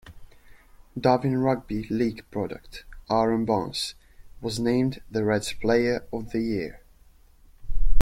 Darwin Rugby League product Aaron Barnes was named the Reds' player of the year.